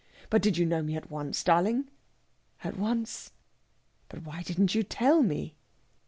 But did you know me at once, darling?" "At once." "But why didn't you tell me?"